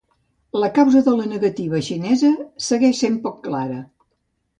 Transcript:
La causa de la negativa xinesa segueix sent poc clara.